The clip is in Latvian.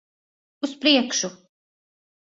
Uz priekšu!